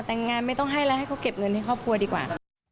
แต่งงานไม่ต้องให้แล้วให้เขาเก็บเงินให้ครอบครัวดีกว่า